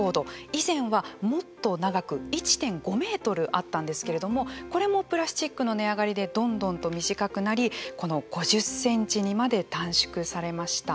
以前はもっと長く１．５メートルあったんですけれどもこれもプラスチックの値上がりでどんどんと短くなりこの５０センチにまで短縮されました。